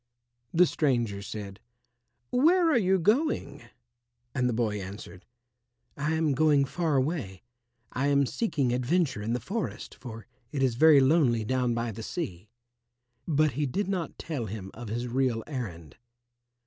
The stranger said, "Where are you going?" And the boy answered, "I am going far away. I am seeking adventure in the forest for it is very lonely down by the sea." But he did not tell him of his real errand.